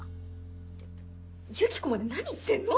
ユキコまで何言ってんの？